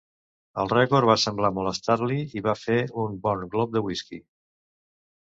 El record va semblar molestar-li, i va fer un bon glop de whisky.